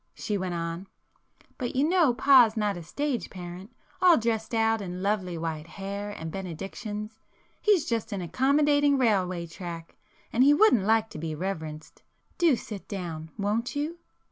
she went on—"But you know Pa's not a 'stage parent' all dressed out in lovely white hair and benedictions,—he's just an accommodating railway track, and he wouldn't like to be reverenced. Do sit down, won't you?"